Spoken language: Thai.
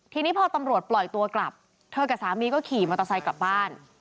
ทีนี้พอตำรวจปล่อยตัวกลับเธอกับสามีก็ขี่มอเตอร์ไซค์กลับบ้าน